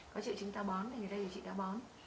có triệu chứng ta bón thì người ta điều trị ta bón